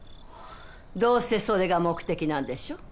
どうせそれが目的なんでしょう？